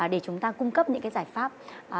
để chúng ta cung cấp những cái giải pháp